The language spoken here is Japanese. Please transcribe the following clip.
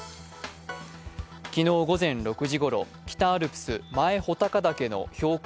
昨日午前６時ごろ北アルプス前穂高岳の標高